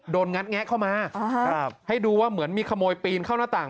งัดแงะเข้ามาให้ดูว่าเหมือนมีขโมยปีนเข้าหน้าต่าง